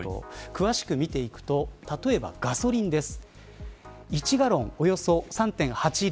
詳しく見ていくと例えばガソリンです。